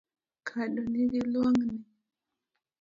Kado nigi lwang'ni